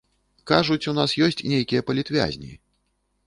Кажуць, у нас ёсць нейкія палітвязні.